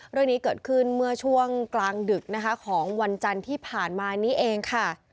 เรื่องนี้เกิดขึ้นเมื่อช่วงกลางดึกนะคะของวันจันทร์ที่ผ่านมานี้เองค่ะ